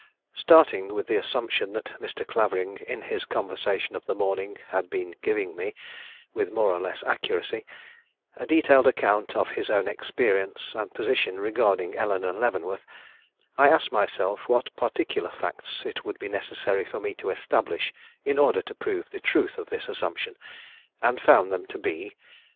Starting with the assumption that Mr. Clavering in his conversation of the morning had been giving me, with more or less accuracy, a detailed account of his own experience and position regarding Eleanore Leavenworth, I asked myself what particular facts it would be necessary for me to establish in order to prove the truth of this assumption, and found them to be: I.